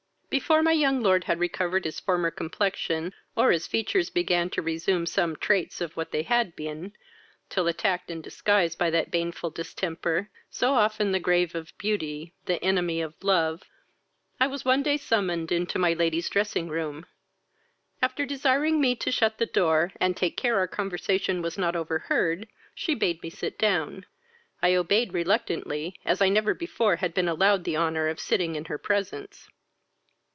"Before my young lord had recovered his former complexion, or his features began to reassume some traits of what they had been, till attacked and disguised by that baneful distemper, so often the grave of beauty, the enemy of love, I was one day summoned into my lady's dressing room. After desiring me to shut the door, and take care our conversation was not overheard, she bade me sit down; I obeyed reluctantly, as I never before had been allowed the honour of sitting in her presence.